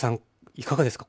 いかがですか？